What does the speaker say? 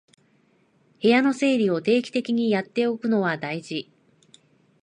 部屋の整理を定期的にやっておくのは大事